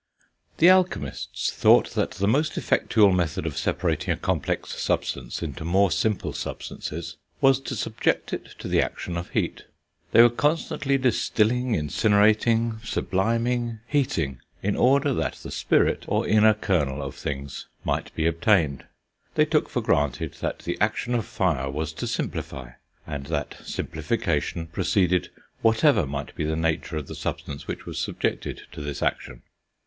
The alchemists thought that the most effectual method of separating a complex substance into more simple substances was to subject it to the action of heat. They were constantly distilling, incinerating, subliming, heating, in order that the spirit, or inner kernel of things, might be obtained. They took for granted that the action of fire was to simplify, and that simplification proceeded whatever might be the nature of the substance which was subjected to this action.